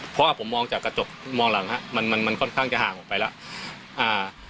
เพราะว่าผมมองจากกระจกมองหลังฮะมันมันค่อนข้างจะห่างออกไปแล้วอ่า